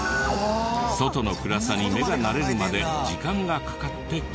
外の暗さに目が慣れるまで時間がかかって危険。